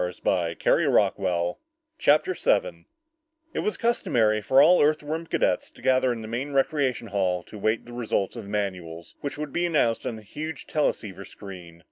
CHAPTER 7 It was customary for all Earthworm cadets to gather in the main recreation hall to wait for the results of the manuals which would be announced on the huge teleceiver screen.